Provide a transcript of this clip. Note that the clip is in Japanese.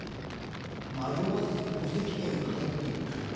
迷わず宝石店へ入っていったよ。